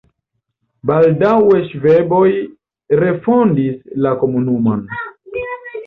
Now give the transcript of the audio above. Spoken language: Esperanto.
Baldaŭe ŝvaboj refondis la komunumon.